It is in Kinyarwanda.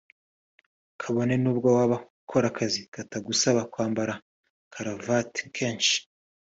Kabone nubwo waba ukora akazi katagusaba kwambara karuvati kenshi